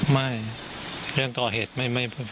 ไม่เรื่องต่อเหตุไม่ไม่พูด